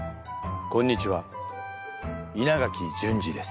こんにちは稲垣淳二です。